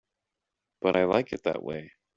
But I like it that way.